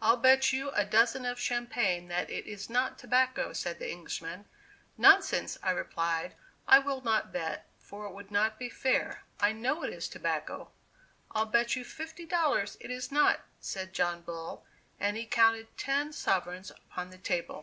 "I'll bet you a dozen of champagne that it is not tobacco," said the Englishman. "Nonsense," I replied, "I will not bet, for it would not be fair; I know it is tobacco." "I'll bet you fifty dollars it is not," said John Bull, and he counted ten sovereigns upon the table.